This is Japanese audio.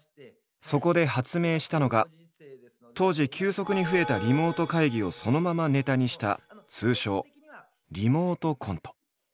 そこで発明したのが当時急速に増えたリモート会議をそのままネタにした通称「リモートコント」。